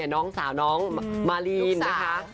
น้องสาวน้องมาลีนนะคะ